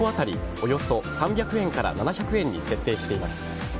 およそ３００円から７００円に設定しています。